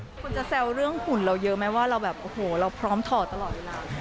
คนจะแซวเรื่องหุ่นเราเยอะไหมว่าเราแบบโอ้โหเราพร้อมถอดตลอดเวลา